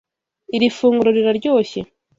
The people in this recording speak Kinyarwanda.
Iri funguro riraryoshye.